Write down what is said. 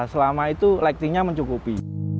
selama itu lightingnya mencukupi